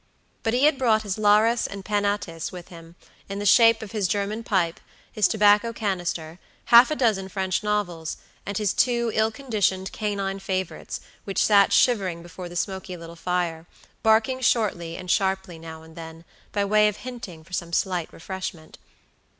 But he had brought his Lares and Penates with him, in the shape of his German pipe, his tobacco canister, half a dozen French novels, and his two ill conditioned, canine favorites, which sat shivering before the smoky little fire, barking shortly and sharply now and then, by way of hinting for some slight refreshment.